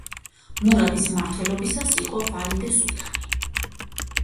მურადის მმართველობისას იყო ვალიდე სულთანი.